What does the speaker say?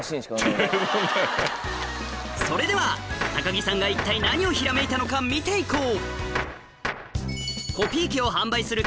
それでは高木さんが一体何をひらめいたのか見て行こう